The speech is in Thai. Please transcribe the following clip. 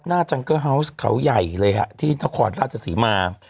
จังเกอร์เฮาวส์เขาใหญ่เลยฮะที่นครราชศรีมา